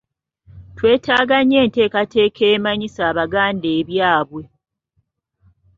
Twetaaga nnyo enteekateeka emanyisa Abaganda ebyabwe.